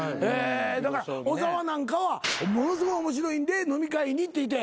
だから小沢なんかはものすごい面白いんで飲み会にって言って。